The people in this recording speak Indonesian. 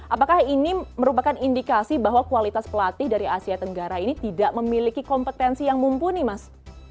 apakah ini merupakan indikasi bahwa kualitas pelatih dari asia tenggara ini tidak memiliki kompetensi yang mumpuni mas